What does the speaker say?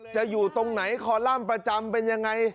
จะอยู่ตรงไหนคอลัมประจำเป็นอย่างไร